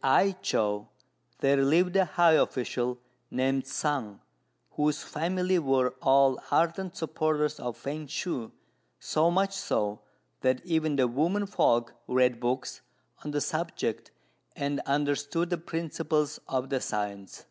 At I chow there lived a high official named Sung, whose family were all ardent supporters of Fêng Shui; so much so, that even the women folk read books on the subject, and understood the principles of the science.